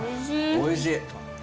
おいしい。